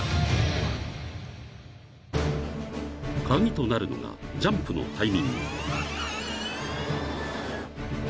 ［鍵となるのがジャンプのタイミング］